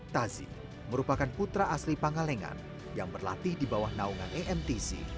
tazi merupakan putra asli pangalengan yang berlatih di bawah naungan emtc